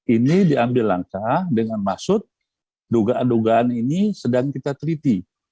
ini diambil langkah dengan maksud dugaan dugaan ini sedang kita teliti